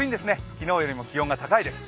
昨日よりも気温が高いです。